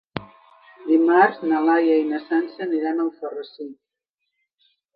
Dimarts na Laia i na Sança aniran a Alfarrasí.